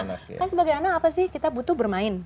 kan sebagai anak apa sih kita butuh bermain